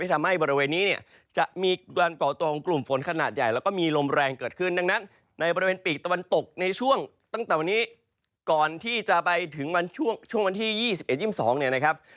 ทำให้บริเวณนี้เนี่ยจะมีการก่อตัวของกลุ่มฝนขนาดใหญ่แล้วก็มีลมแรงเกิดขึ้นดังนั้นในบริเวณปีกตะวันตกในช่วงตั้งแต่วันนี้ก่อนที่จะไปถึงวันช่วงวันที่๒๑๒๒เนี่ยนะครับ